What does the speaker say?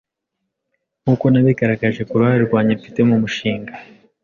nk’uko nabigaragaje ku ruhare rwanjye mfite mu mushinga,